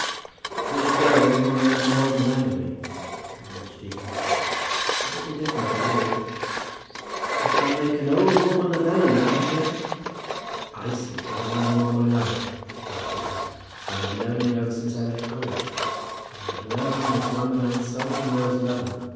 "His going will make an old man of me," said the archdeacon. "It will be different with you." "It will make an old woman of Eleanor, I fear." "I seem to have known him all my life," said the archdeacon. "I have known him ever since I left college; and I have known him as one man seldom knows another.